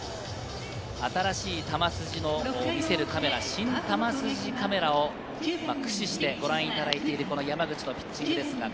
新しい球筋の見せるカメラ、新球筋カメラを駆使してご覧いただいている、山口のピッチングです。